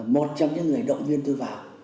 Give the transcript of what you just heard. một trong những người đội viên tôi vào